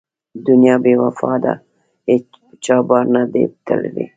دنیا بې وفا ده هېچا بار نه دی تړلی.